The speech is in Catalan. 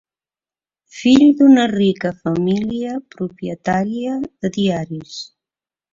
Fill d'una rica família propietària de diaris.